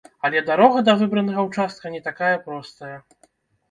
Але дарога да выбарнага ўчастка не такая простая.